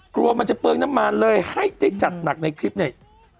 กลัวมันจะเปลืองน้ำมันเลยให้ได้จัดหนักในคลิปเนี่ย